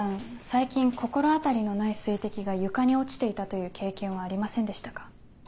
最近心当たりのない水滴が床に落ちていたという経験はありませんでしたか？